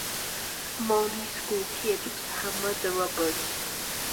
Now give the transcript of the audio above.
Among these schoolkids was Hammer DeRoburt.